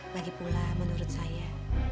lagipula menurut saya